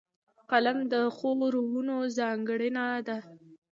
قلم د ښو روحونو ځانګړنه ده